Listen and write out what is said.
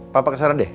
papa kesana deh